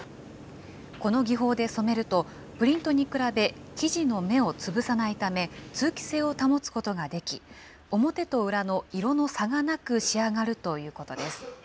この技法で染めると、プリントに比べ、生地の目をつぶさないため、通気性を保つことができ、表と裏の色の差がなく仕上がるということです。